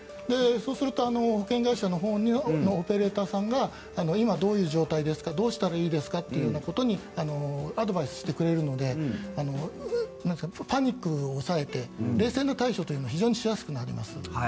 そうすると、保険会社のほうのオペレーターさんが今、どういう状態ですかどうしたらいいですか？ということにアドバイスしてくれるのでパニックを抑えて冷静な対処というのが非常にしやすくなります。